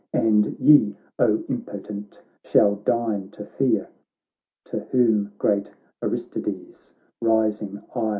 And ye, O impotent, shall deign to fear! ' To whom great Aristides : rising ire